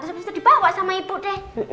habis itu dibawa sama ibu deh